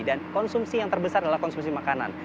dan konsumsi yang terbesar adalah konsumsi makanan